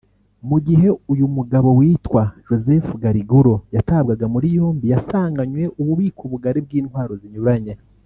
Mu gihe uyu mugabo witwa Joseph Gargiulo yatabwaga muri yombi yasanganywe ububiko bugari bw’intwaro zinyuranye